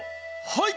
はい！